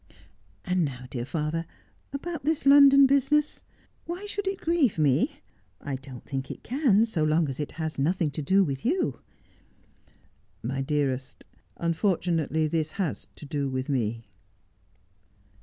' And now, dear father, about this London business ? Why shoidd it grieve me 1 I don't think it can, so long as it has nothing to do with you.' ' My dearest, unfortunately this has to do with me.'